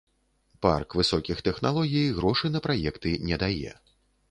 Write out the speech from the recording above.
Парк высокіх тэхналогій грошы на праекты не дае.